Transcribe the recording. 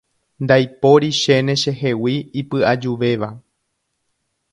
Ndaiporichéne chehegui ipy'ajuvéva.